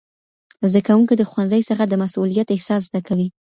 زدهکوونکي د ښوونځي څخه د مسئولیت احساس زده کوي.